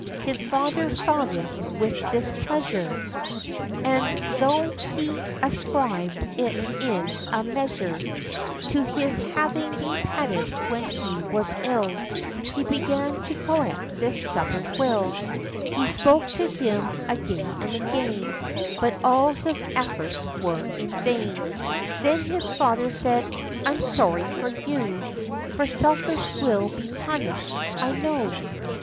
His father saw this with displeasure; And, though he ascribed it in a measure To his having been petted when he was ill, He began to correct this stubborn will. OF CHANTICLEER. 67 He spoke to him again and again; But all his efforts were in vain. Then his father said, "I'm sorry for you; For selfishness will be punished, I know."